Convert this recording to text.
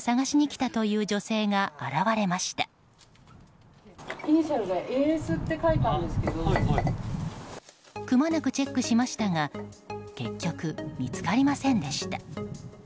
くまなくチェックしましたが結局、見つかりませんでした。